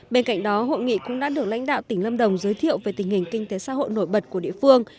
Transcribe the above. bên cạnh đó hội nghị cũng đã được lãnh đạo tỉnh lâm đồng giới thiệu về tình hình kinh tế xã hội nổi bật của địa phương